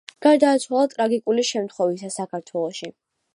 გარდაიცვალა ტრაგიკული შემთხვევისას საქართველოში.